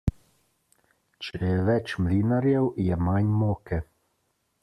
Če je več mlinarjev, je manj moke.